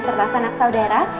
serta sanak saudara